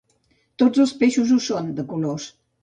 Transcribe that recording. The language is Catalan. Tots els peixos ho són, de colors.